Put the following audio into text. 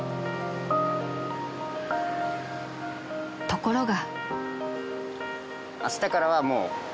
［ところが］